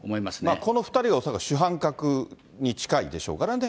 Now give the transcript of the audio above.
この２人、恐らく主犯格に近いでしょうからね。